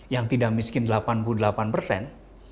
yang tidak miskin delapan puluh delapan persen